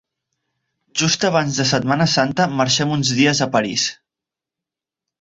Just abans de Setmana Santa marxem uns dies a París.